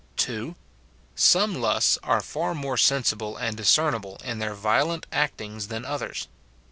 [2.] Some lusts are far more sensible and discernible in their violent actings than others.